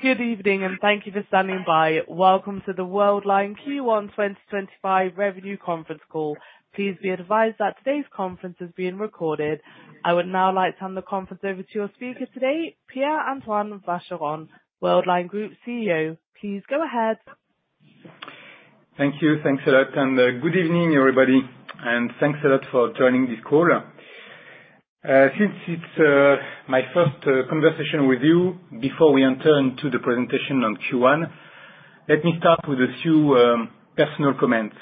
Good evening, and thank you for standing by. Welcome to the Worldline Q1 2025 Revenue Conference Call. Please be advised that today's conference is being recorded. I would now like to hand the conference over to your speaker today, Pierre-Antoine Vacheron, Worldline Group CEO. Please go ahead. Thank you. Thanks a lot. Good evening, everybody. Thanks a lot for joining this call. Since it's my first conversation with you before we enter into the presentation on Q1, let me start with a few personal comments.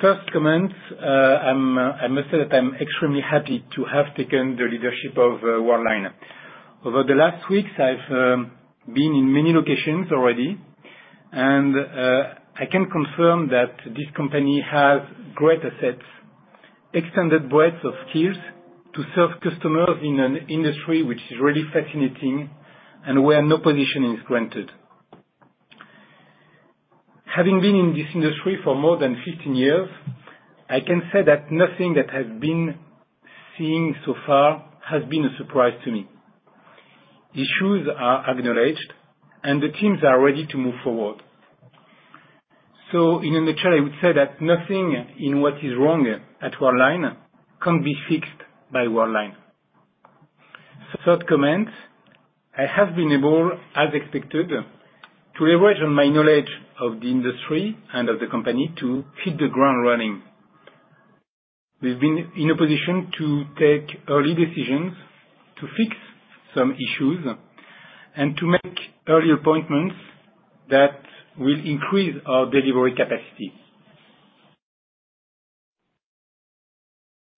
First comment, I must say that I'm extremely happy to have taken the leadership of Worldline. Over the last weeks, I've been in many locations already, and I can confirm that this company has great assets, extended breadth of skills to serve customers in an industry which is really fascinating and where no position is granted. Having been in this industry for more than 15 years, I can say that nothing that has been seen so far has been a surprise to me. Issues are acknowledged, and the teams are ready to move forward. In a nutshell, I would say that nothing in what is wrong at Worldline can be fixed by Worldline. Third comment, I have been able, as expected, to leverage my knowledge of the industry and of the company to hit the ground running. We've been in a position to take early decisions to fix some issues and to make early appointments that will increase our delivery capacity.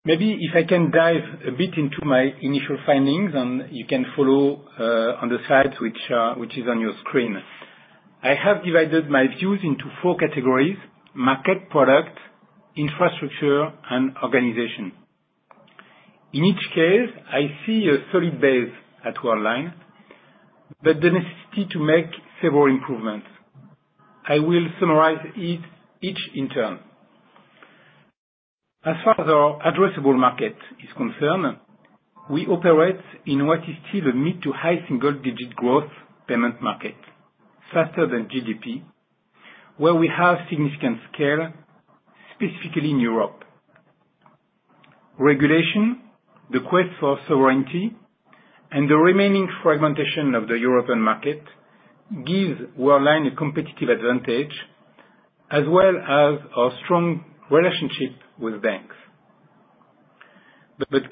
Maybe if I can dive a bit into my initial findings, and you can follow on the slides which is on your screen. I have divided my views into four categories: market, product, infrastructure, and organization. In each case, I see a solid base at Worldline, but the necessity to make several improvements. I will summarize each in turn. As far as our addressable market is concerned, we operate in what is still a mid to high single-digit growth payment market, faster than GDP, where we have significant scale, specifically in Europe. Regulation, the quest for sovereignty, and the remaining fragmentation of the European market give Worldline a competitive advantage, as well as our strong relationship with banks.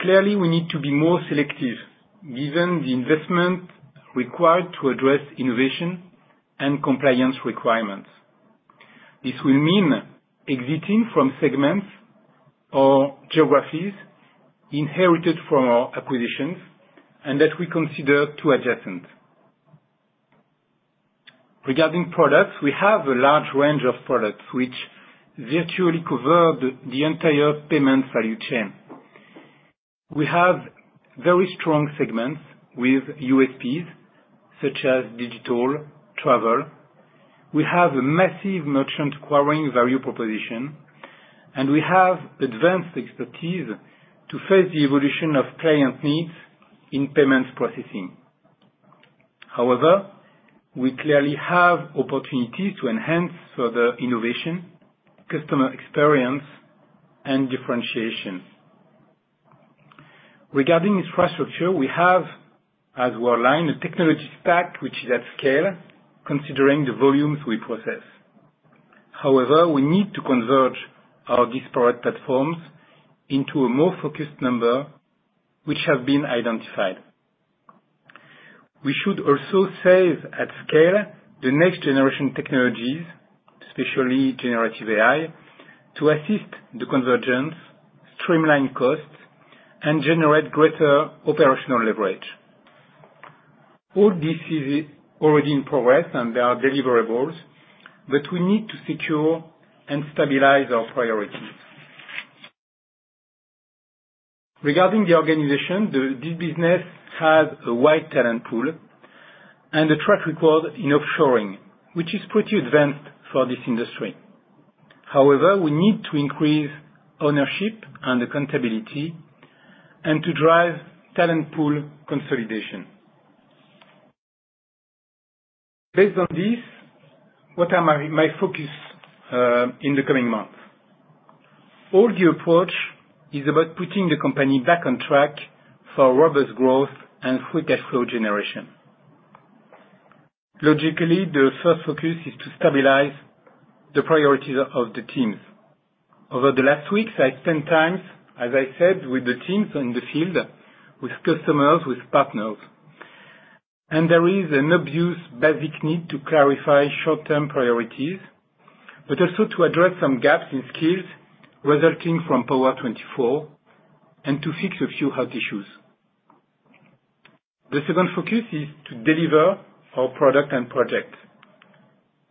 Clearly, we need to be more selective given the investment required to address innovation and compliance requirements. This will mean exiting from segments or geographies inherited from our acquisitions and that we consider too adjacent. Regarding products, we have a large range of products which virtually cover the entire payment value chain. We have very strong segments with USPs such as digital travel. We have a massive merchant acquiring value proposition, and we have advanced expertise to face the evolution of client needs in payments processing. However, we clearly have opportunities to enhance further innovation, customer experience, and differentiation. Regarding infrastructure, we have, as Worldline, a technology stack which is at scale, considering the volumes we process. However, we need to converge our disparate platforms into a more focused number which have been identified. We should also save at scale the next-generation technologies, especially generative AI, to assist the convergence, streamline costs, and generate greater operational leverage. All this is already in progress, and there are deliverables, but we need to secure and stabilize our priorities. Regarding the organization, this business has a wide talent pool and a track record in offshoring, which is pretty advanced for this industry. However, we need to increase ownership and accountability and to drive talent pool consolidation. Based on this, what are my focus in the coming months? All the approach is about putting the company back on track for robust growth and free cash flow generation. Logically, the first focus is to stabilize the priorities of the teams. Over the last weeks, I spent time, as I said, with the teams in the field, with customers, with partners. There is an obvious basic need to clarify short-term priorities, but also to address some gaps in skills resulting from Power24 and to fix a few hot issues. The second focus is to deliver our product and projects.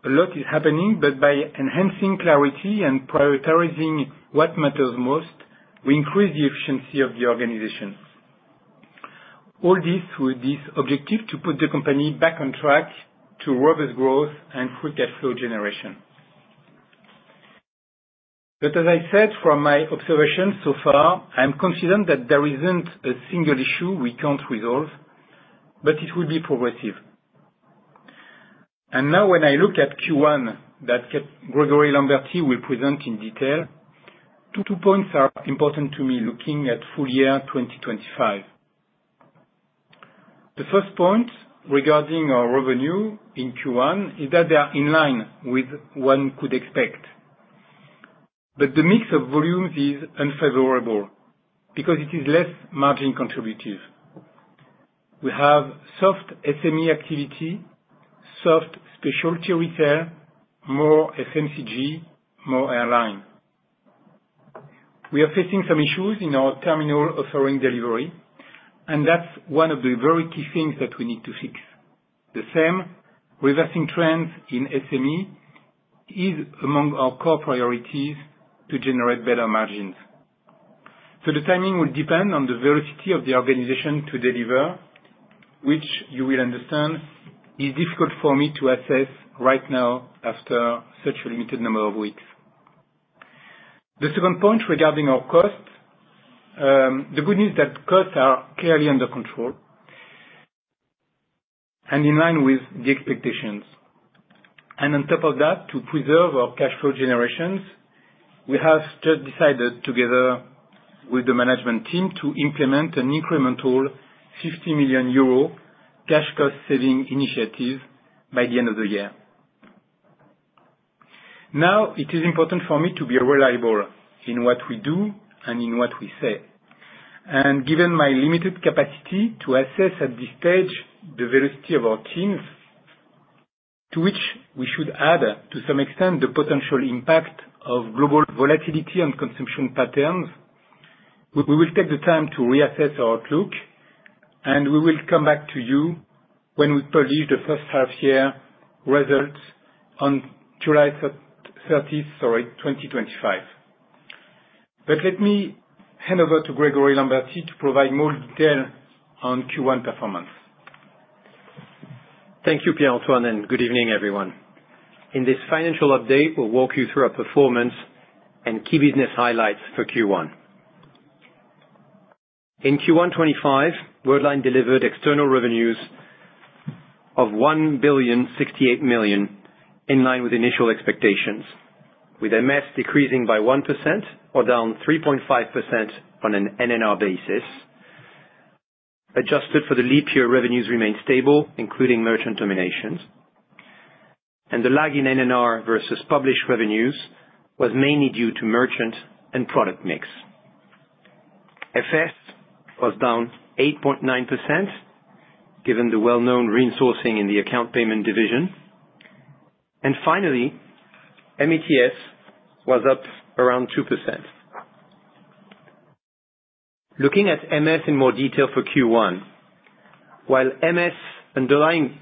A lot is happening, but by enhancing clarity and prioritizing what matters most, we increase the efficiency of the organization. All this with this objective to put the company back on track to robust growth and free cash flow generation. As I said, from my observations so far, I'm confident that there isn't a single issue we can't resolve, but it will be progressive. Now, when I look at Q1 that Grégory Lambertie will present in detail, two points are important to me looking at full year 2025. The first point regarding our revenue in Q1 is that they are in line with what one could expect. The mix of volumes is unfavorable because it is less margin-contributive. We have soft SME activity, soft specialty retail, more FMCG, more airline. We are facing some issues in our terminal offering delivery, and that's one of the very key things that we need to fix. The same reversing trends in SME is among our core priorities to generate better margins. The timing will depend on the velocity of the organization to deliver, which you will understand is difficult for me to assess right now after such a limited number of weeks. The second point regarding our costs, the good news is that costs are clearly under control and in line with the expectations. On top of that, to preserve our cash flow generations, we have just decided together with the management team to implement an incremental 50 million euro cash cost saving initiative by the end of the year. Now, it is important for me to be reliable in what we do and in what we say. Given my limited capacity to assess at this stage the velocity of our teams, to which we should add to some extent the potential impact of global volatility and consumption patterns, we will take the time to reassess our outlook, and we will come back to you when we publish the first half-year results on July 30, 2025. Let me hand over to Grégory Lambertie to provide more detail on Q1 performance. Thank you, Pierre-Antoine, and good evening, everyone. In this financial update, we'll walk you through our performance and key business highlights for Q1. In Q1 2025, Worldline delivered external revenues of 1,068 million in line with initial expectations, with MS decreasing by 1% or down 3.5% on an NNR basis. Adjusted for the leap year, revenues remained stable, including merchant terminations. The lag in NNR versus published revenues was mainly due to merchant and product mix. FS was down 8.9% given the well-known reinforcing in the account payment division. Finally, METS was up around 2%. Looking at MS in more detail for Q1, while MS underlying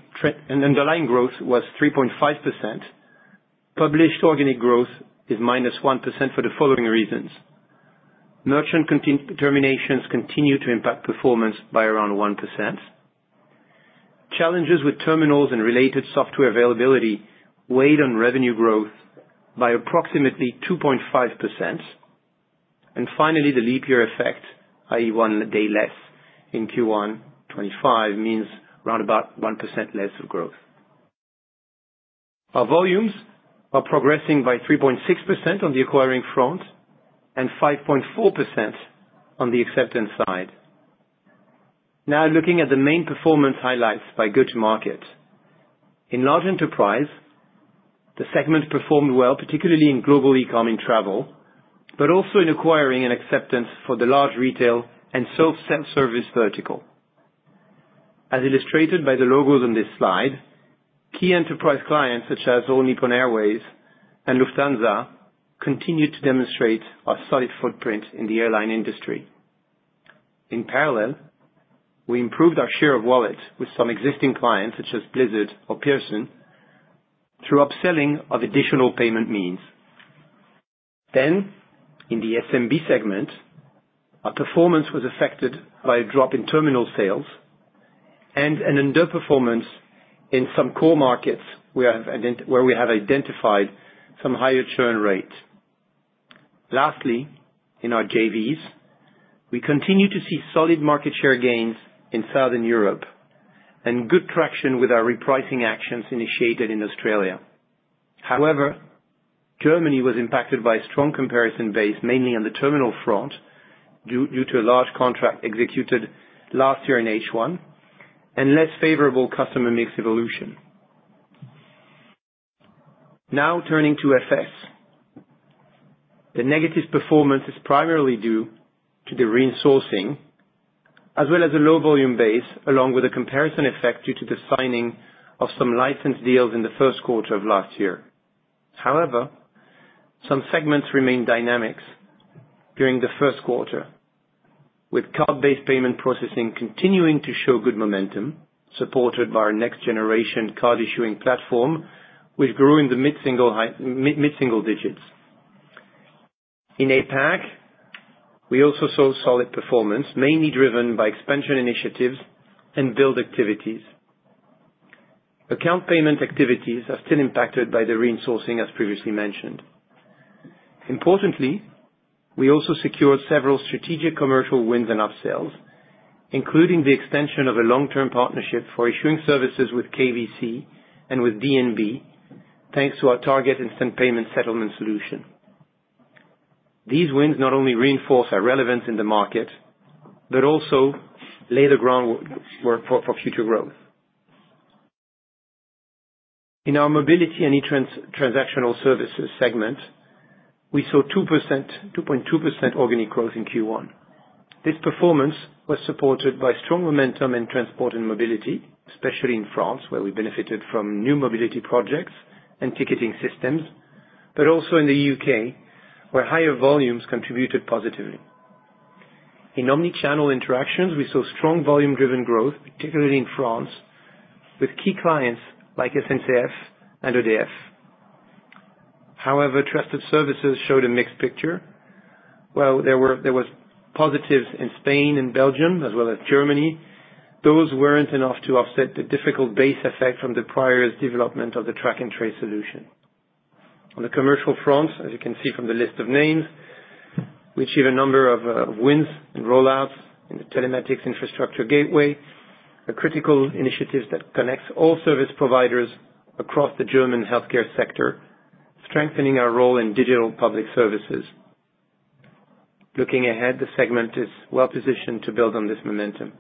growth was 3.5%, published organic growth is minus 1% for the following reasons. Merchant terminations continue to impact performance by around 1%. Challenges with terminals and related software availability weighed on revenue growth by approximately 2.5%. Finally, the leap year effect, i.e., one day less in Q1 2025, means around 1% less of growth. Our volumes are progressing by 3.6% on the acquiring front and 5.4% on the acceptance side. Now, looking at the main performance highlights by go-to-market. In large enterprise, the segment performed well, particularly in global e-comm and travel, but also in acquiring and acceptance for the large retail and self-service vertical. As illustrated by the logos on this slide, key enterprise clients such as All Nippon Airways and Lufthansa continued to demonstrate a solid footprint in the airline industry. In parallel, we improved our share of wallet with some existing clients such as Blizzard or Pearson through upselling of additional payment means. In the SMB segment, our performance was affected by a drop in terminal sales and an underperformance in some core markets where we have identified some higher churn rate. Lastly, in our JVs, we continue to see solid market share gains in Southern Europe and good traction with our repricing actions initiated in Australia. However, Germany was impacted by a strong comparison base, mainly on the terminal front, due to a large contract executed last year in the first half and less favorable customer mix evolution. Now, turning to FS, the negative performance is primarily due to the reinforcing, as well as a low volume base, along with a comparison effect due to the signing of some license deals in the first quarter of last year. However, some segments remained dynamic during the first quarter, with card-based payment processing continuing to show good momentum, supported by our next-generation card-issuing platform, which grew in the mid-single digits. In APAC, we also saw solid performance, mainly driven by expansion initiatives and build activities. Account payment activities are still impacted by the reinforcing, as previously mentioned. Importantly, we also secured several strategic commercial wins and upsales, including the extension of a long-term partnership for issuing services with KBC and with DNB, thanks to our target instant payment settlement solution. These wins not only reinforce our relevance in the market, but also lay the groundwork for future growth. In our Mobility & e-Transactional Services segment, we saw 2.2% organic growth in Q1. This performance was supported by strong momentum in transport and mobility, especially in France, where we benefited from new mobility projects and ticketing systems, but also in the U.K., where higher volumes contributed positively. In Omnichannel Interactions, we saw strong volume-driven growth, particularly in France, with key clients like SNCF and EDF. However, Trusted Services showed a mixed picture. There were positives in Spain and Belgium, as well as Germany. Those were not enough to offset the difficult base effect from the prior development of the Track & Trace solution. On the commercial front, as you can see from the list of names, we achieved a number of wins and rollouts in the Telematics Infrastructure Gateway, a critical initiative that connects all service providers across the German healthcare sector, strengthening our role in digital public services. Looking ahead, the segment is well-positioned to build on this momentum.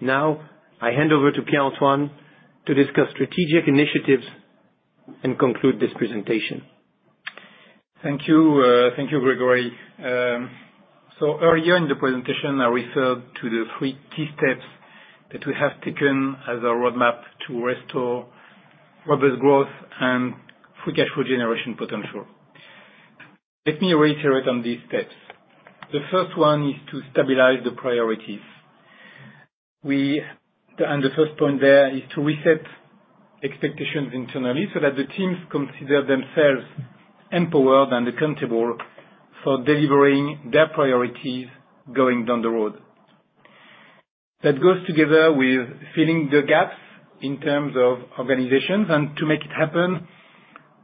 Now, I hand over to Pierre-Antoine to discuss strategic initiatives and conclude this presentation. Thank you, Grégory. Earlier in the presentation, I referred to the three key steps that we have taken as our roadmap to restore robust growth and free cash flow generation potential. Let me reiterate on these steps. The first one is to stabilize the priorities. The first point there is to reset expectations internally so that the teams consider themselves empowered and accountable for delivering their priorities going down the road. That goes together with filling the gaps in terms of organizations. To make it happen,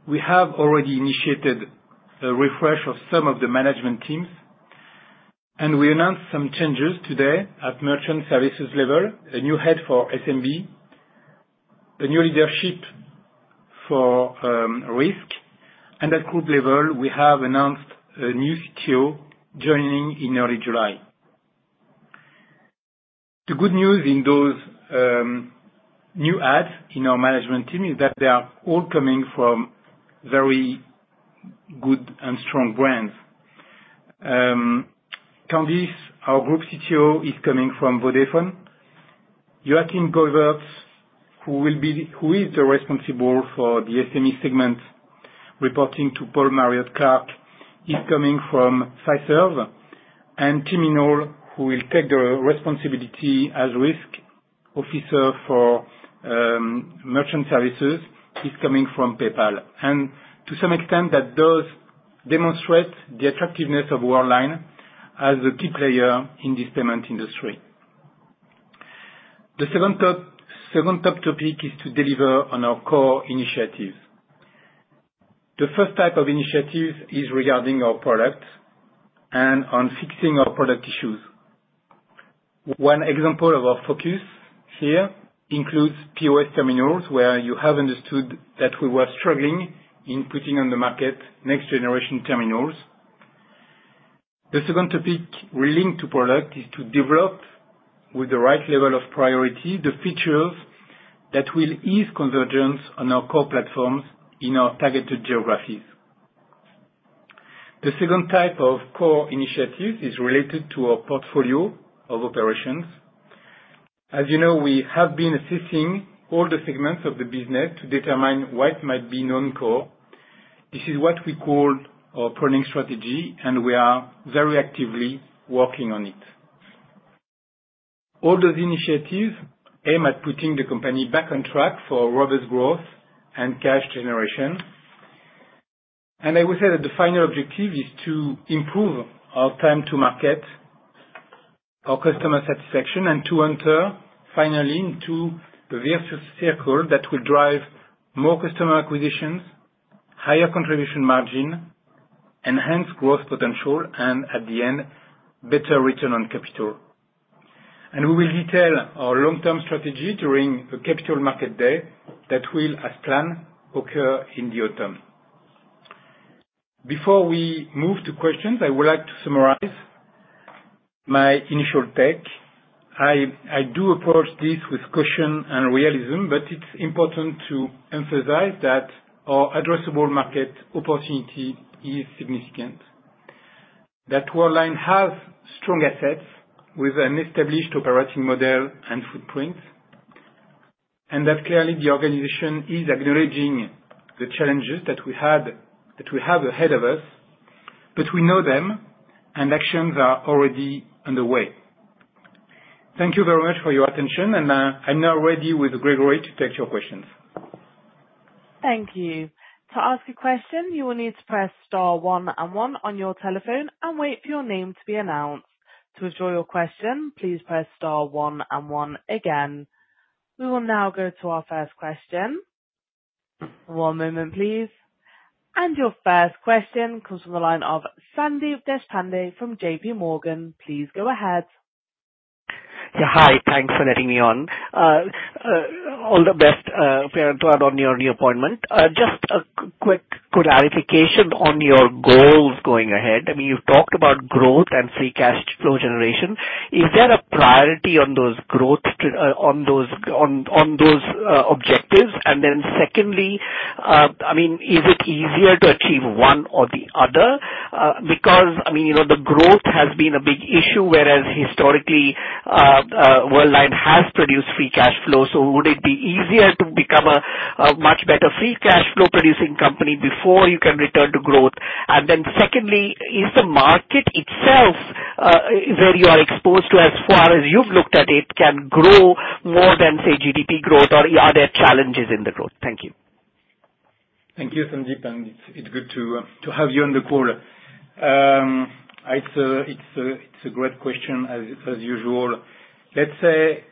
we have already initiated a refresh of some of the management teams. We announced some changes today at Merchant Services level, a new head for SMB, a new leadership for risk. At group level, we have announced a new CTO joining in early July. The good news in those new ads in our management team is that they are all coming from very good and strong brands. Candice, our Group CTO, is coming from Vodafone. Joachim Goyvaerts, who is responsible for the SME segment reporting to Paul Marriott-Clarke, is coming from Fiserv. Tim Minall, who will take the responsibility as Risk Officer for Merchant Services, is coming from PayPal. To some extent, that does demonstrate the attractiveness of Worldline as a key player in this payment industry. The second topic is to deliver on our core initiatives. The first type of initiatives is regarding our products and on fixing our product issues. One example of our focus here includes POS terminals, where you have understood that we were struggling in putting on the market next-generation terminals. The second topic we link to product is to develop, with the right level of priority, the features that will ease convergence on our core platforms in our targeted geographies. The second type of core initiatives is related to our portfolio of operations. As you know, we have been assessing all the segments of the business to determine what might be non-core. This is what we call our pruning strategy, and we are very actively working on it. All those initiatives aim at putting the company back on track for robust growth and cash generation. I would say that the final objective is to improve our time to market, our customer satisfaction, and to enter finally into the virtuous circle that will drive more customer acquisitions, higher contribution margin, enhanced growth potential, and at the end, better return on capital. We will detail our long-term strategy during the capital market day that will, as planned, occur in the autumn. Before we move to questions, I would like to summarize my initial take. I do approach this with caution and realism, but it's important to emphasize that our addressable market opportunity is significant, that Worldline has strong assets with an established operating model and footprint, and that clearly the organization is acknowledging the challenges that we have ahead of us, but we know them and actions are already underway. Thank you very much for your attention, and I'm now ready with Grégory to take your questions. Thank you. To ask a question, you will need to press star one and one on your telephone and wait for your name to be announced. To withdraw your question, please press star one and one again. We will now go to our first question. One moment, please. Your first question comes from the line of Sandeep Deshpande from JP Morgan. Please go ahead. Yeah, hi. Thanks for letting me on. All the best, Pierre-Antoine, on your new appointment. Just a quick clarification on your goals going ahead. I mean, you've talked about growth and free cash flow generation. Is there a priority on those growth objectives? Secondly, I mean, is it easier to achieve one or the other? I mean, the growth has been a big issue, whereas historically, Worldline has produced free cash flow. Would it be easier to become a much better free cash flow-producing company before you can return to growth? Secondly, is the market itself where you are exposed to, as far as you've looked at it, can grow more than, say, GDP growth, or are there challenges in the growth? Thank you. Thank you, Sandy Deshpande. It's good to have you on the call. It's a great question, as usual. Let's say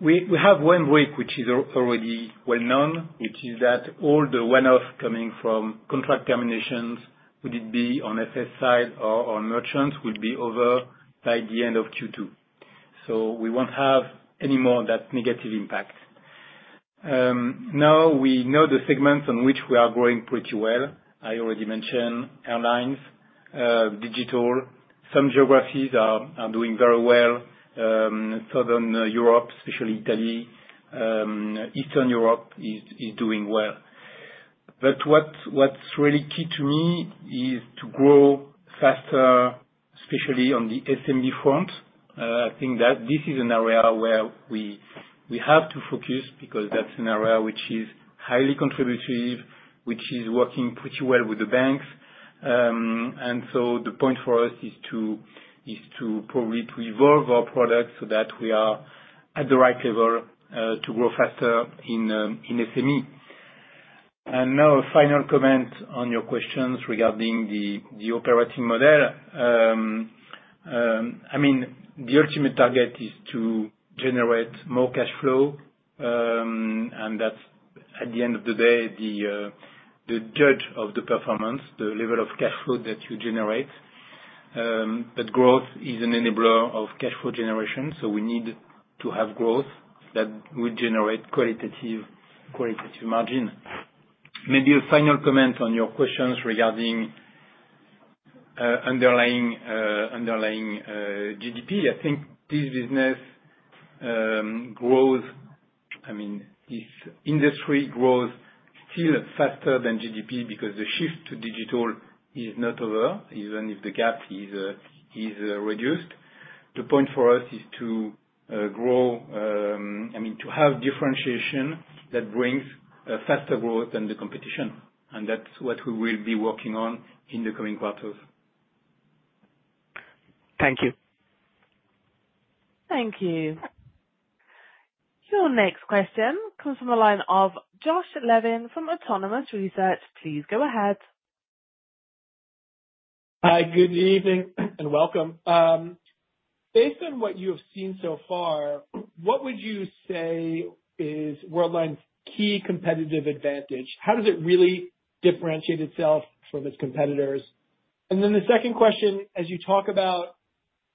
we have one break, which is already well known, which is that all the one-off coming from contract terminations, whether it be on FS side or on merchants, will be over by the end of Q2. We won't have any more of that negative impact. Now, we know the segments on which we are growing pretty well. I already mentioned airlines, digital. Some geographies are doing very well. Southern Europe, especially Italy, Eastern Europe is doing well. What is really key to me is to grow faster, especially on the SMB front. I think that this is an area where we have to focus because that's an area which is highly contributive, which is working pretty well with the banks. The point for us is to probably evolve our product so that we are at the right level to grow faster in SME. Now, a final comment on your questions regarding the operating model. I mean, the ultimate target is to generate more cash flow, and that's at the end of the day, the judge of the performance, the level of cash flow that you generate. Growth is an enabler of cash flow generation, so we need to have growth that will generate qualitative margin. Maybe a final comment on your questions regarding underlying GDP. I think this business grows, I mean, this industry grows still faster than GDP because the shift to digital is not over, even if the gap is reduced. The point for us is to grow, I mean, to have differentiation that brings faster growth than the competition. That is what we will be working on in the coming quarters. Thank you. Thank you. Your next question comes from the line of Josh Levin from Autonomous Research. Please go ahead. Hi, good evening and welcome. Based on what you have seen so far, what would you say is Worldline's key competitive advantage? How does it really differentiate itself from its competitors? The second question, as you talk about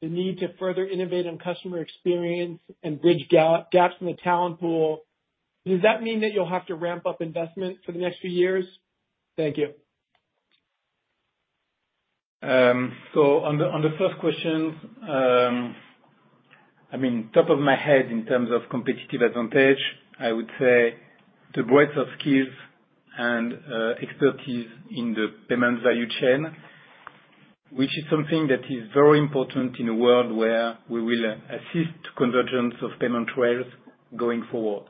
the need to further innovate on customer experience and bridge gaps in the talent pool, does that mean that you'll have to ramp up investment for the next few years? Thank you. On the first question, I mean, top of my head in terms of competitive advantage, I would say the breadth of skills and expertise in the payment value chain, which is something that is very important in a world where we will assist convergence of payment rails going forward.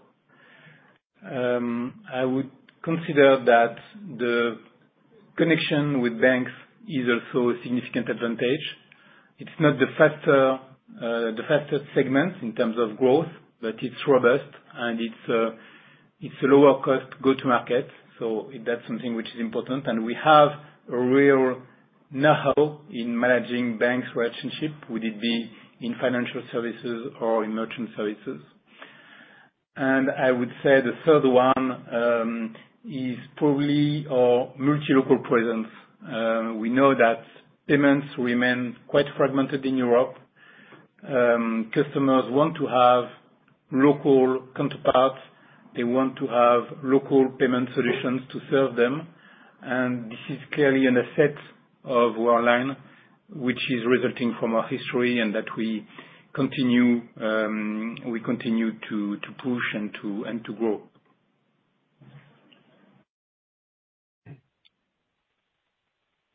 I would consider that the connection with banks is also a significant advantage. It's not the fastest segment in terms of growth, but it's robust and it's a lower-cost go-to-market. That's something which is important. We have a real know-how in managing banks' relationship, whether it be in financial services or in merchant services. I would say the third one is probably our multilocal presence. We know that payments remain quite fragmented in Europe. Customers want to have local counterparts. They want to have local payment solutions to serve them. This is clearly an asset of Worldline, which is resulting from our history and that we continue to push and to grow.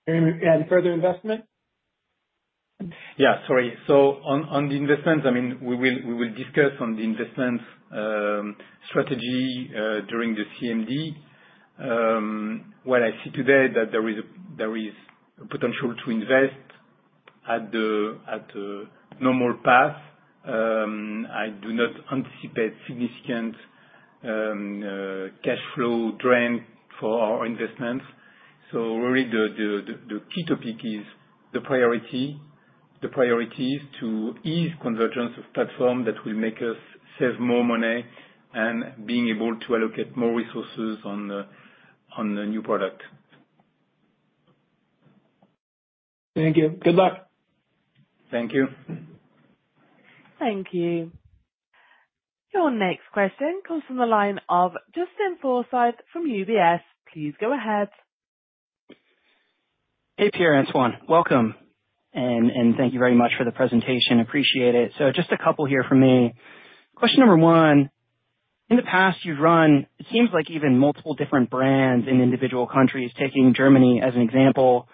Further investment? Yeah, sorry. On the investments, I mean, we will discuss the investment strategy during the CMD. What I see today is that there is a potential to invest at a normal path. I do not anticipate significant cash flow drain for our investments. Really, the key topic is the priorities to ease convergence of platforms that will make us save more money and be able to allocate more resources on the new product. Thank you. Good luck. Thank you. Thank you. Your next question comes from the line of Justin Forsythe from UBS. Please go ahead. Hey, Pierre-Antoine. Welcome. Thank you very much for the presentation. Appreciate it. Just a couple here for me. Question number one, in the past, you've run, it seems like even multiple different brands in individual countries, taking Germany as an example.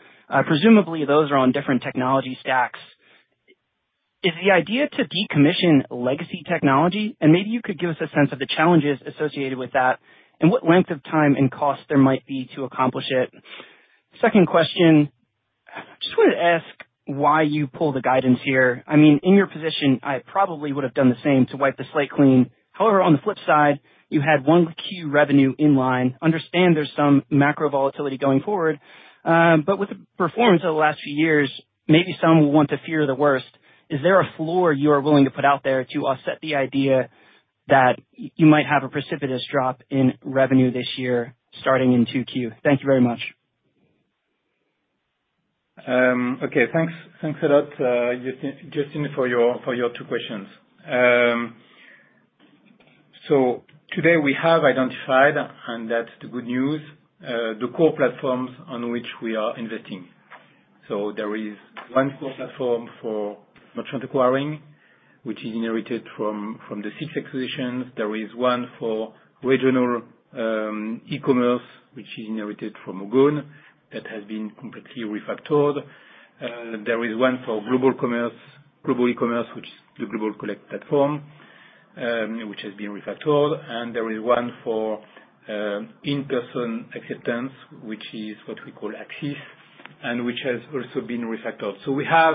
Presumably, those are on different technology stacks. Is the idea to decommission legacy technology? Maybe you could give us a sense of the challenges associated with that and what length of time and cost there might be to accomplish it. Second question, I just wanted to ask why you pull the guidance here. I mean, in your position, I probably would have done the same to wipe the slate clean. However, on the flip side, you had one key revenue in line. I understand there's some macro volatility going forward. With the performance of the last few years, maybe some will want to fear the worst. Is there a floor you are willing to put out there to offset the idea that you might have a precipitous drop in revenue this year starting in Q2? Thank you very much. Okay. Thanks a lot, Justin, for your two questions. Today, we have identified, and that's the good news, the core platforms on which we are investing. There is one core platform for merchant acquiring, which is inherited from the SIX acquisitions. There is one for regional e-commerce, which is inherited from Ogone that has been completely refactored. There is one for global e-commerce, which is the Global Collect platform, which has been refactored. There is one for in-person acceptance, which is what we call Axis, and which has also been refactored. We have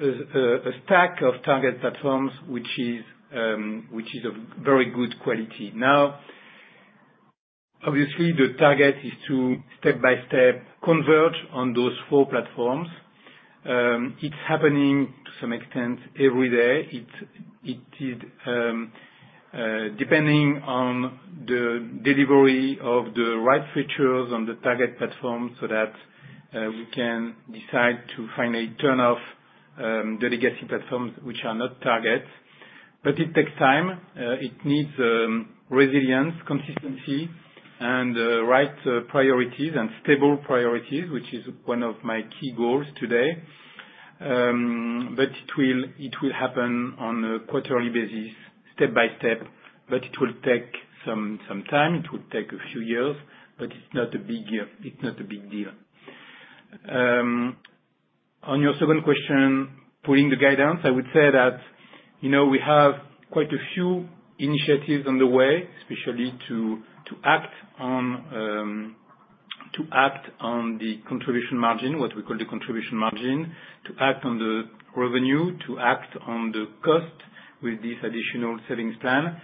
a stack of target platforms, which is of very good quality. Now, obviously, the target is to step-by-step converge on those four platforms. It's happening to some extent every day. It is depending on the delivery of the right features on the target platform so that we can decide to finally turn off the legacy platforms, which are not targets. It takes time. It needs resilience, consistency, and right priorities and stable priorities, which is one of my key goals today. It will happen on a quarterly basis, step-by-step, but it will take some time. It will take a few years, but it's not a big deal. On your second question, pulling the guidance, I would say that we have quite a few initiatives on the way, especially to act on the contribution margin, what we call the contribution margin, to act on the revenue, to act on the cost with this additional savings plan.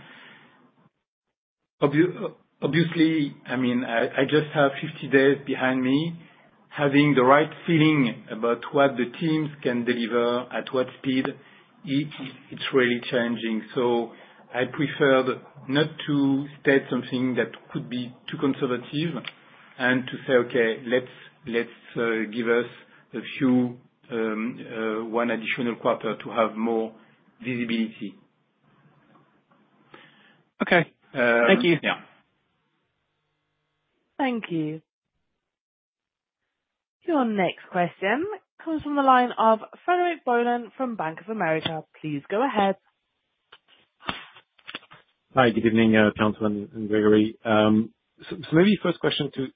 Obviously, I mean, I just have 50 days behind me. Having the right feeling about what the teams can deliver, at what speed, it's really challenging. I preferred not to state something that could be too conservative and to say, "Okay, let's give us a few one additional quarter to have more visibility. Okay. Thank you. Yeah. Thank you. Your next question comes from the line of Frédéric Boulan from Bank of America. Please go ahead. Hi, good evening, Pierre-Antoine and Grégory. Maybe first question to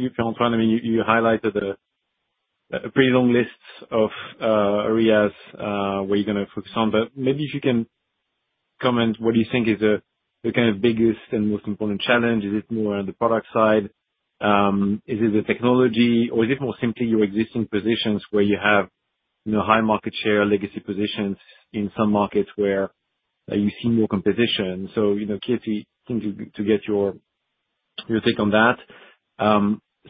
you, Pierre-Antoine. I mean, you highlighted a pretty long list of areas where you're going to focus on. Maybe if you can comment, what do you think is the kind of biggest and most important challenge? Is it more on the product side? Is it the technology? Or is it more simply your existing positions where you have high market share, legacy positions in some markets where you see more competition? I'm keen to get your take on that.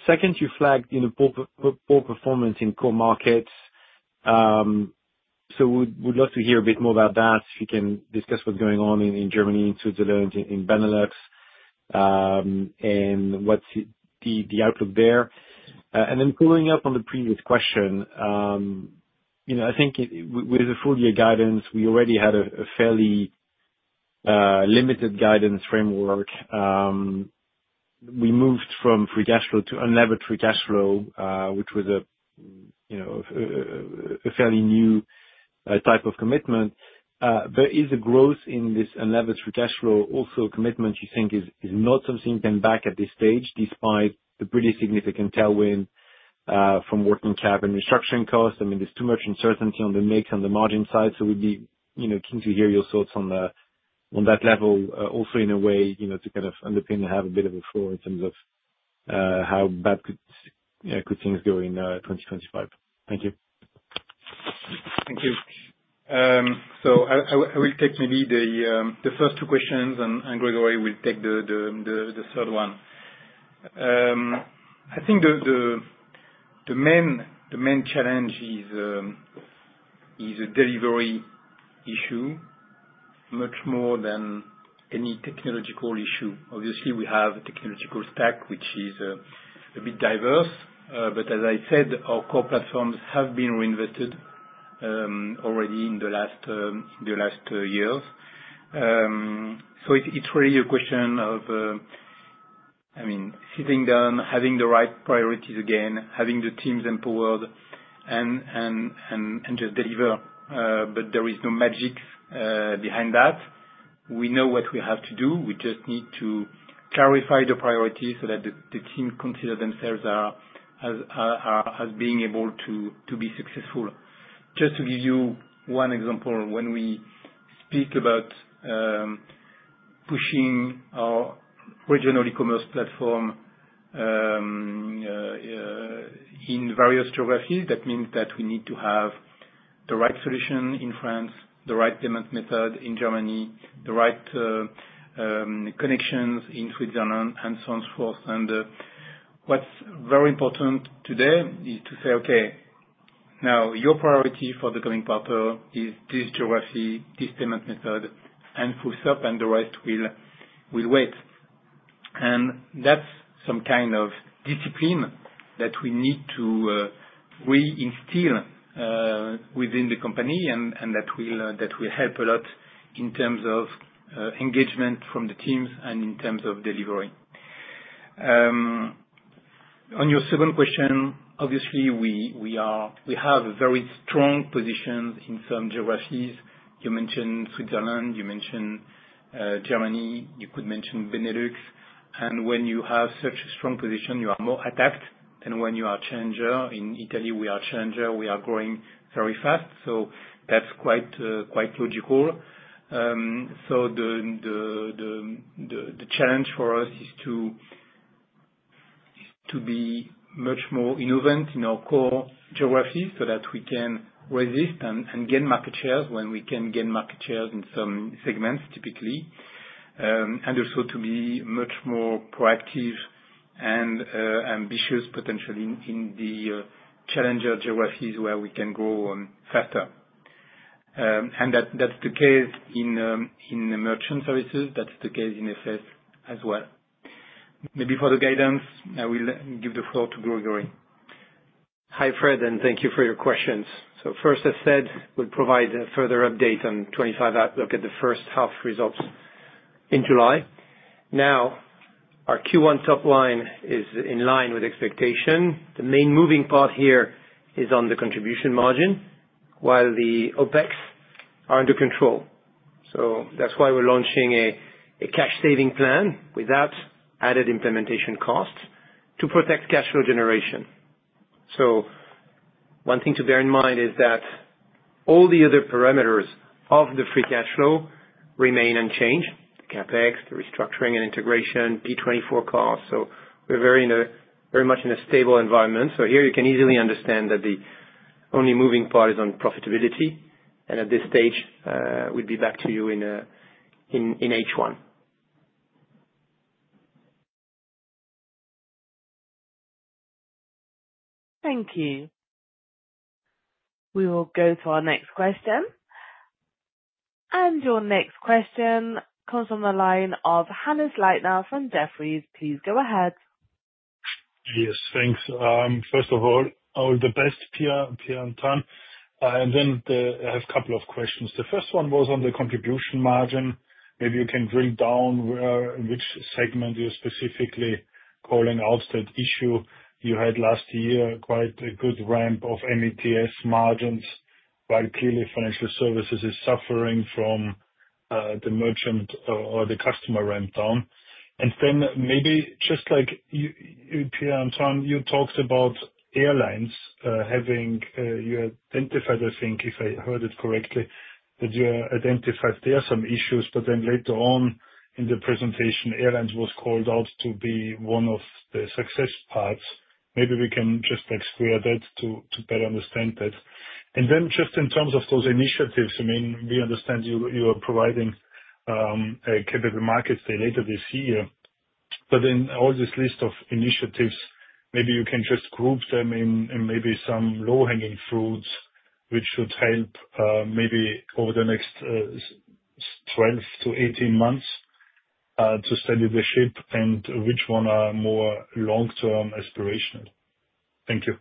Second, you flagged poor performance in core markets. We'd love to hear a bit more about that, if you can discuss what's going on in Germany, Switzerland, in Benelux, and what's the outlook there. Following up on the previous question, I think with the four-year guidance, we already had a fairly limited guidance framework. We moved from free cash flow to unlabored free cash flow, which was a fairly new type of commitment. Is the growth in this unlabored free cash flow also a commitment you think is not something you can back at this stage despite the pretty significant tailwind from working cap and restructuring costs? I mean, there's too much uncertainty on the mix on the margin side. We would be keen to hear your thoughts on that level also in a way to kind of underpin and have a bit of a floor in terms of how bad could things go in 2025. Thank you. Thank you. I will take maybe the first two questions, and Grégory will take the third one. I think the main challenge is a delivery issue much more than any technological issue. Obviously, we have a technological stack, which is a bit diverse. As I said, our core platforms have been reinvested already in the last years. It is really a question of, I mean, sitting down, having the right priorities again, having the teams empowered, and just deliver. There is no magic behind that. We know what we have to do. We just need to clarify the priorities so that the team considers themselves as being able to be successful. Just to give you one example, when we speak about pushing our regional e-commerce platform in various geographies, that means that we need to have the right solution in France, the right payment method in Germany, the right connections in Switzerland, and so on and so forth. What is very important today is to say, "Okay, now your priority for the coming quarter is this geography, this payment method, and full stop, and the rest will wait." That is some kind of discipline that we need to reinstill within the company and that will help a lot in terms of engagement from the teams and in terms of delivery. On your second question, obviously, we have very strong positions in some geographies. You mentioned Switzerland. You mentioned Germany. You could mention Benelux. When you have such a strong position, you are more attacked than when you are a challenger. In Italy, we are a challenger. We are growing very fast. That is quite logical. The challenge for us is to be much more innovative in our core geographies so that we can resist and gain market shares when we can gain market shares in some segments, typically. Also, to be much more proactive and ambitious, potentially, in the challenger geographies where we can grow faster. That is the case in merchant services. That is the case in FS as well. Maybe for the guidance, I will give the floor to Grégory. Hi, Fred, and thank you for your questions. First, as said, we'll provide a further update on 2025 outlook at the first half results in July. Now, our Q1 top line is in line with expectation. The main moving part here is on the contribution margin, while the OpEx are under control. That's why we're launching a cash-saving plan without added implementation costs to protect cash flow generation. One thing to bear in mind is that all the other parameters of the free cash flow remain unchanged: the CapEx, the restructuring and integration, P24 costs. We're very much in a stable environment. Here, you can easily understand that the only moving part is on profitability. At this stage, we'd be back to you in H1. Thank you. We will go to our next question. Your next question comes from the line of Hannes Leitner from Jefferies. Please go ahead. Yes, thanks. First of all, all the best, Pierre-Antoine. I have a couple of questions. The first one was on the contribution margin. Maybe you can drill down which segment you're specifically calling out that issue. You had last year quite a good ramp of METS margins, while clearly financial services is suffering from the merchant or the customer ramp down. Maybe just like you, Pierre-Antoine, you talked about airlines having identified, I think, if I heard it correctly, that you identified there are some issues. Later on in the presentation, airlines was called out to be one of the success parts. Maybe we can just square that to better understand that. In terms of those initiatives, I mean, we understand you are providing a capable market later this year. All this list of initiatives, maybe you can just group them in maybe some low-hanging fruits, which should help maybe over the next 12 to 18 months to steady the ship and which one are more long-term aspirational. Thank you.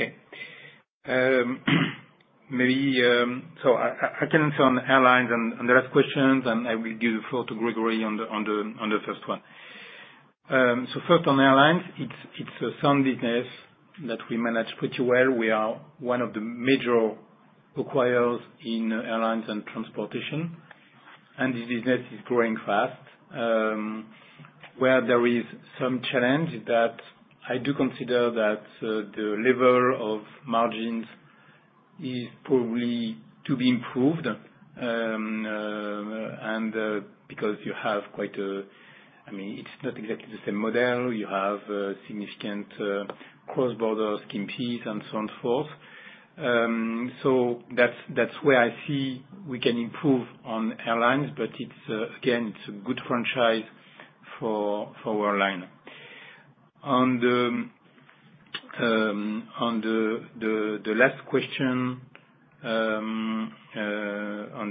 Okay. I can answer on airlines and the last questions, and I will give the floor to Grégory on the first one. First, on airlines, it's a sound business that we manage pretty well. We are one of the major acquirers in airlines and transportation. This business is growing fast. Where there is some challenge is that I do consider that the level of margins is probably to be improved because you have quite a—I mean, it's not exactly the same model. You have significant cross-border scheme fees and so on and so forth. That's where I see we can improve on airlines. Again, it's a good franchise for our line. On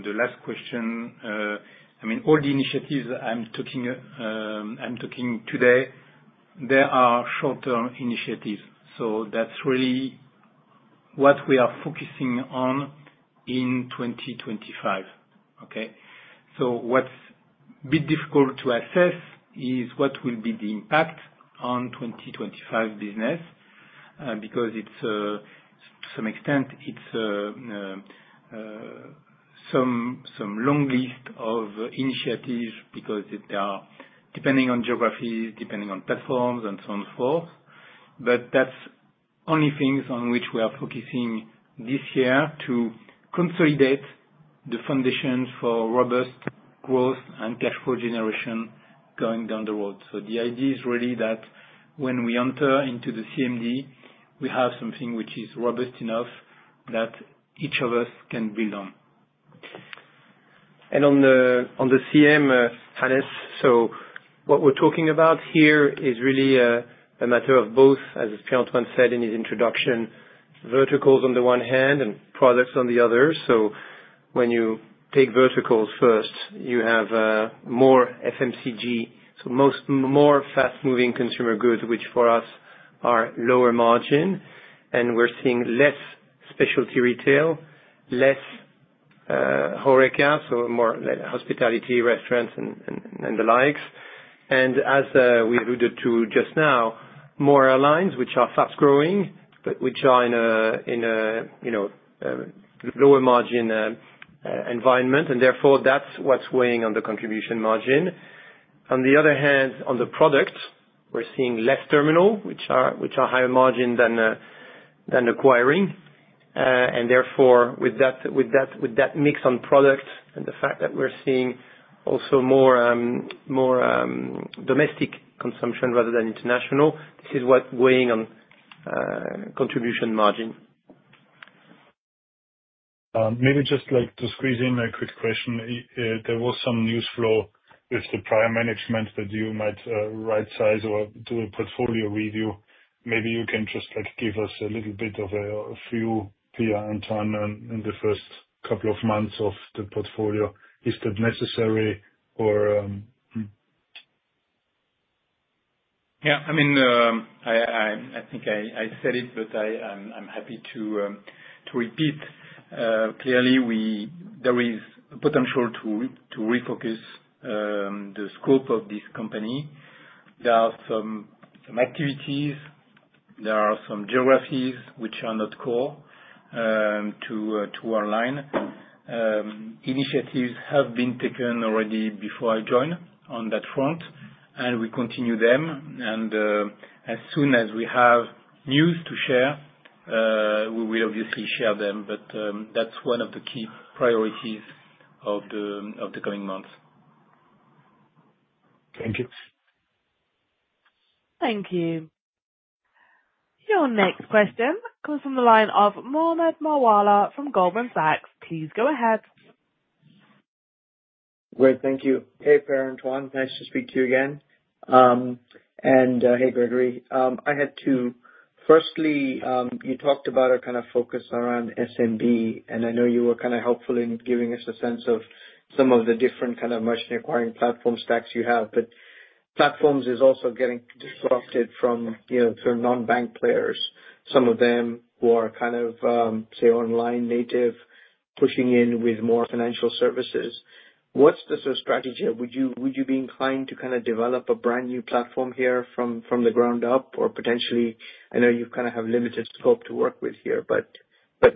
the last question, I mean, all the initiatives I'm talking today, they are short-term initiatives. That's really what we are focusing on in 2025. Okay? What's a bit difficult to assess is what will be the impact on 2025 business because to some extent, it's some long list of initiatives because they are depending on geographies, depending on platforms, and so on and so forth. That's the only things on which we are focusing this year to consolidate the foundations for robust growth and cash flow generation going down the road. The idea is really that when we enter into the CMD, we have something which is robust enough that each of us can build on. On the CM, Hannes, what we're talking about here is really a matter of both, as Pierre-Antoine said in his introduction, verticals on the one hand and products on the other. When you take verticals first, you have more FMCG, so more fast-moving consumer goods, which for us are lower margin. We're seeing less specialty retail, less HoReCa, so more hospitality, restaurants, and the likes. As we alluded to just now, more airlines, which are fast-growing, but which are in a lower margin environment. Therefore, that's what's weighing on the contribution margin. On the other hand, on the products, we're seeing less terminal, which are higher margin than acquiring. Therefore, with that mix on products and the fact that we're seeing also more domestic consumption rather than international, this is what's weighing on contribution margin. Maybe just to squeeze in a quick question. There was some news flow with the prior management that you might right-size or do a portfolio review. Maybe you can just give us a little bit of a view, Pierre-Antoine, in the first couple of months of the portfolio. Is that necessary? Yeah. I mean, I think I said it, but I'm happy to repeat. Clearly, there is a potential to refocus the scope of this company. There are some activities. There are some geographies which are not core to our line. Initiatives have been taken already before I joined on that front, and we continue them. As soon as we have news to share, we will obviously share them. That is one of the key priorities of the coming months. Thank you. Thank you. Your next question comes from the line of Mohammed Moawalla from Goldman Sachs. Please go ahead. Great. Thank you. Hey, Pierre-Antoine. Nice to speak to you again. And hey, Grégory. I had two. Firstly, you talked about a kind of focus around SMB, and I know you were kind of helpful in giving us a sense of some of the different kind of merchant acquiring platform stacks you have. But platforms is also getting disrupted from non-bank players, some of them who are kind of, say, online native, pushing in with more financial services. What's the sort of strategy? Would you be inclined to kind of develop a brand new platform here from the ground up or potentially—I know you kind of have limited scope to work with here—but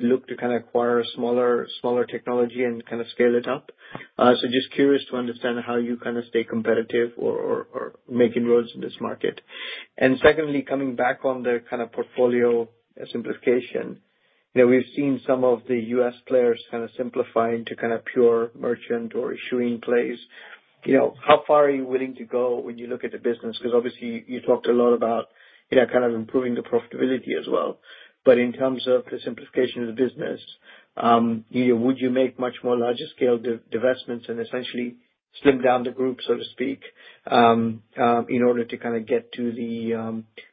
look to kind of acquire a smaller technology and kind of scale it up? Just curious to understand how you kind of stay competitive or make inroads in this market. Secondly, coming back on the kind of portfolio simplification, we've seen some of the US players kind of simplifying to kind of pure merchant or issuing plays. How far are you willing to go when you look at the business? Because obviously, you talked a lot about kind of improving the profitability as well. In terms of the simplification of the business, would you make much more larger-scale divestments and essentially slim down the group, so to speak, in order to kind of get to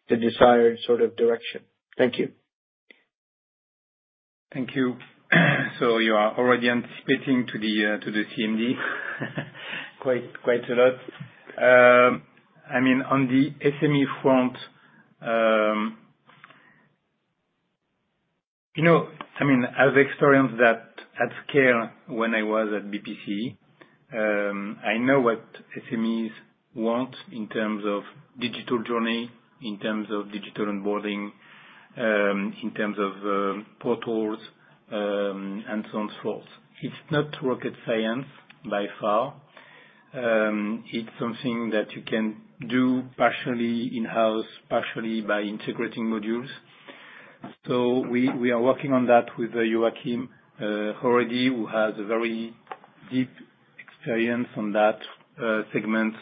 the desired sort of direction? Thank you. Thank you. You are already anticipating to the CMD? Quite a lot. I mean, on the SME front, I mean, I've experienced that at scale when I was at BPC. I know what SMEs want in terms of digital journey, in terms of digital onboarding, in terms of portals, and so on and so forth. It's not rocket science by far. It's something that you can do partially in-house, partially by integrating modules. We are working on that with Joachim Goyvaerts, who has a very deep experience on that segment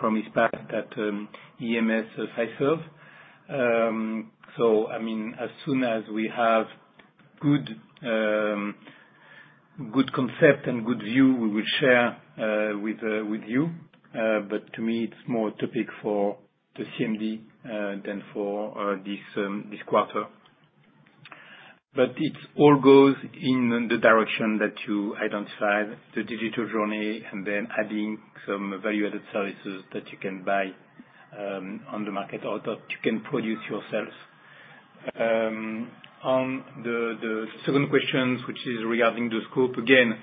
from his past at EMS Fiserv. I mean, as soon as we have good concept and good view, we will share with you. To me, it's more a topic for the CMD than for this quarter. It all goes in the direction that you identified, the digital journey, and then adding some value-added services that you can buy on the market or that you can produce yourselves. On the second question, which is regarding the scope, again,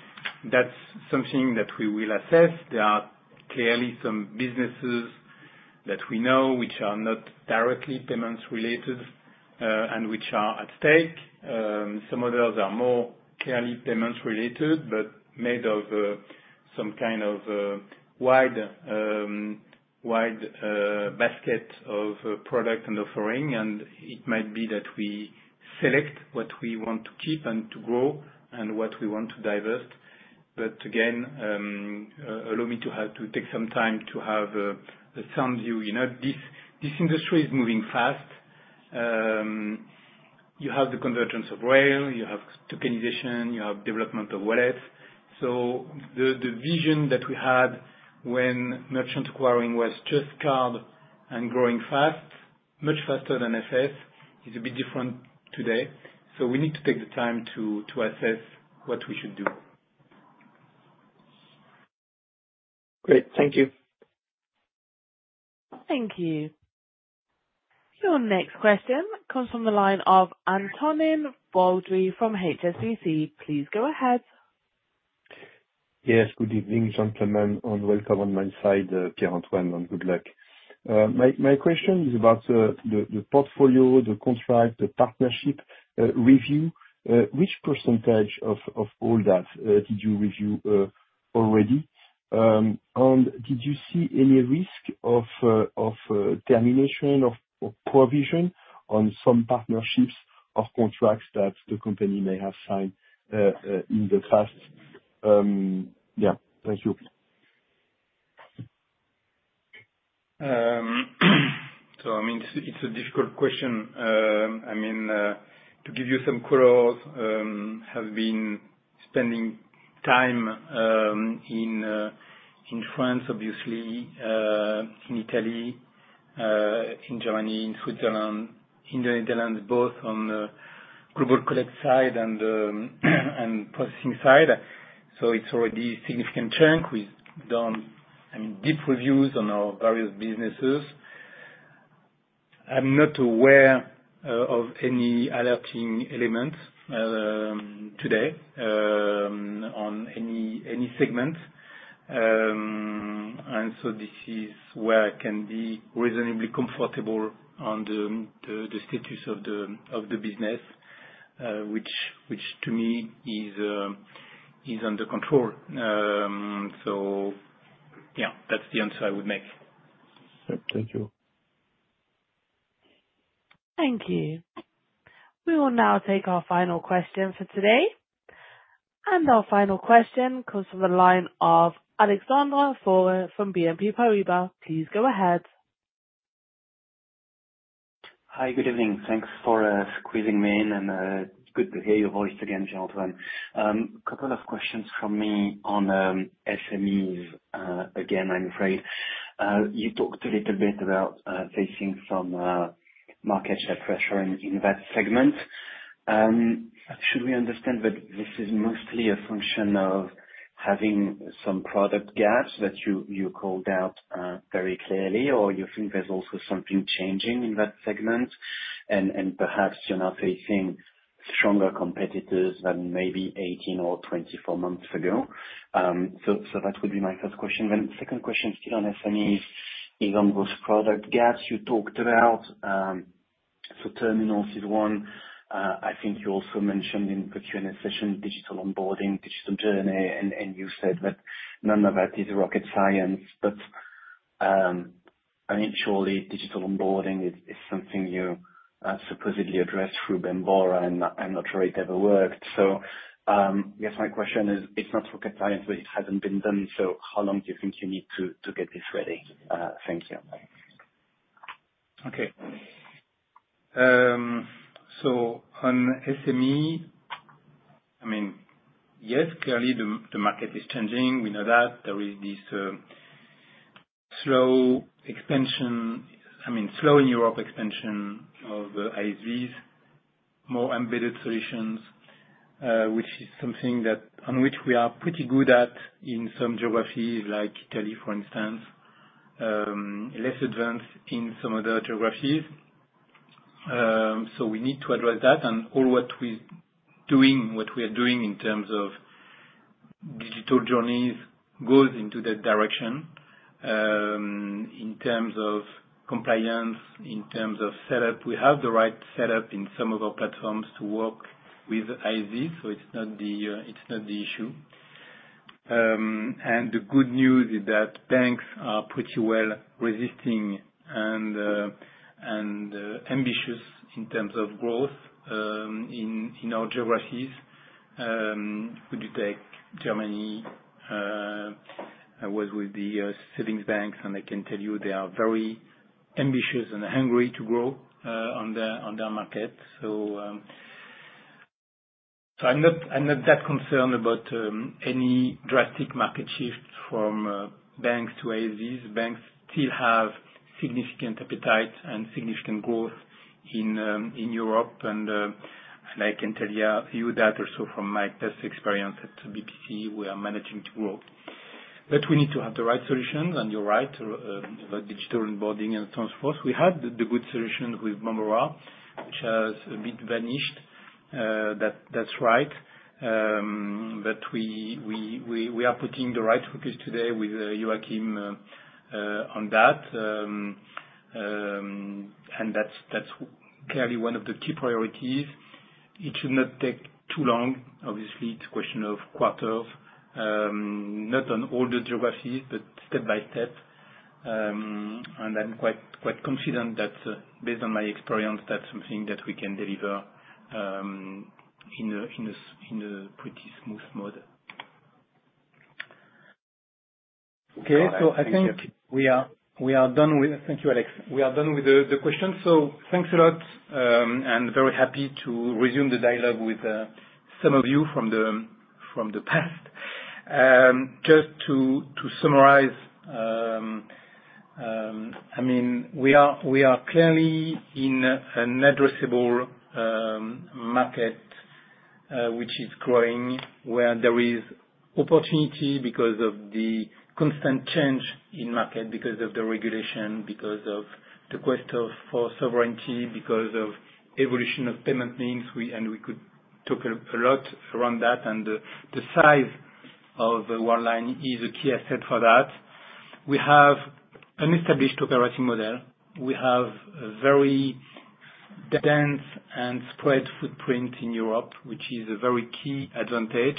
that's something that we will assess. There are clearly some businesses that we know which are not directly payments-related and which are at stake. Some others are more clearly payments-related but made of some kind of wide basket of product and offering. It might be that we select what we want to keep and to grow and what we want to divest. Again, allow me to take some time to have a sound view. This industry is moving fast. You have the convergence of rail. You have tokenization. You have development of wallets. The vision that we had when merchant acquiring was just carved and growing fast, much faster than FS, is a bit different today. We need to take the time to assess what we should do. Great. Thank you. Thank you. Your next question comes from the line of Antonin Baudry from HSBC. Please go ahead. Yes. Good evening, gentlemen, and welcome on my side, Pierre-Antoine, and good luck. My question is about the portfolio, the contract, the partnership review. Which percentage of all that did you review already? Did you see any risk of termination or provision on some partnerships or contracts that the company may have signed in the past? Yeah. Thank you. I mean, it's a difficult question. I mean, to give you some quotes, have been spending time in France, obviously, in Italy, in Germany, in Switzerland, in the Netherlands, both on the Global Collect side and processing side. It's already a significant chunk. We've done, I mean, deep reviews on our various businesses. I'm not aware of any alerting elements today on any segment. This is where I can be reasonably comfortable on the status of the business, which to me is under control. Yeah, that's the answer I would make. Thank you. Thank you. We will now take our final question for today. Our final question comes from the line of Alexandre Faure from BNP Paribas. Please go ahead. Hi. Good evening. Thanks for squeezing me in. Good to hear your voice again, Pierre-Antoine. A couple of questions from me on SMEs. I'm afraid you talked a little bit about facing some market share pressure in that segment. Should we understand that this is mostly a function of having some product gaps that you called out very clearly, or you think there's also something changing in that segment and perhaps you're now facing stronger competitors than maybe 18 or 24 months ago? That would be my first question. The second question still on SMEs is on those product gaps you talked about. Terminals is one. I think you also mentioned in the Q&A session digital onboarding, digital journey, and you said that none of that is rocket science. I mean, surely digital onboarding is something you supposedly addressed through Bambora and not really ever worked. Yes, my question is it's not rocket science, but it hasn't been done. How long do you think you need to get this ready? Thank you. Okay. On SME, I mean, yes, clearly the market is changing. We know that. There is this slow expansion, I mean, slow in Europe expansion of ISVs, more embedded solutions, which is something on which we are pretty good at in some geographies like Italy, for instance, less advanced in some other geographies. We need to address that. All what we're doing, what we are doing in terms of digital journeys goes into that direction in terms of compliance, in terms of setup. We have the right setup in some of our platforms to work with ISVs, so it's not the issue. The good news is that banks are pretty well resisting and ambitious in terms of growth in our geographies. Would you take Germany? I was with the savings banks, and I can tell you they are very ambitious and hungry to grow on their market. I am not that concerned about any drastic market shift from banks to ISVs. Banks still have significant appetite and significant growth in Europe. I can tell you that also from my past experience at BPC, we are managing to grow. We need to have the right solutions, and you are right about digital onboarding and so on and so forth. We had the good solutions with Bambora, which has a bit vanished. That is right. We are putting the right focus today with Joachim on that. That is clearly one of the key priorities. It should not take too long. Obviously, it is a question of quarters, not on all the geographies, but step by step. I'm quite confident that based on my experience, that's something that we can deliver in a pretty smooth mode. Okay. I think we are done with—thank you, Alex. We are done with the questions. Thanks a lot, and very happy to resume the dialogue with some of you from the past. Just to summarize, I mean, we are clearly in an addressable market, which is growing, where there is opportunity because of the constant change in market, because of the regulation, because of the quest for sovereignty, because of evolution of payment means. We could talk a lot around that. The size of Worldline is a key asset for that. We have an established operating model. We have a very dense and spread footprint in Europe, which is a very key advantage.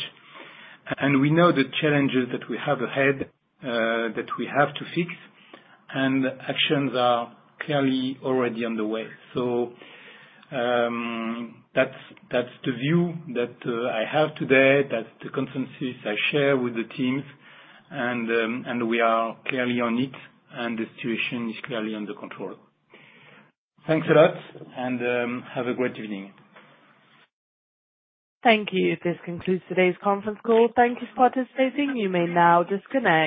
We know the challenges that we have ahead that we have to fix. Actions are clearly already on the way. That is the view that I have today. That is the consensus I share with the teams. We are clearly on it. The situation is clearly under control. Thanks a lot, and have a great evening. Thank you. This concludes today's conference call. Thank you for participating. You may now disconnect.